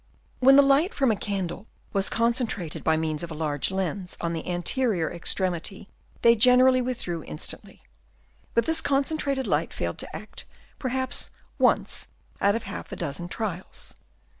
When the light from a candle was con centrated by means of a large lens on the anterior extremity, they generally withdrew instantly ; but this concentrated light failed 22 HABITS OF WORMS. Chap. I. to act perhaps once out of half a dozen trials.